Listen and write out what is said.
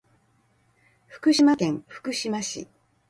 福島県福島市